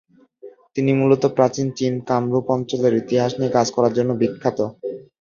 তিনি মূলত প্রাচীন কামরূপ অঞ্চলের ইতিহাস নিয়ে কাজ করার জন্য বিখ্যাত।